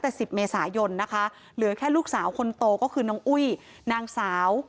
เหลือแค่ลูกสาวคนโตก็คือน้องอุ้ยนางสาว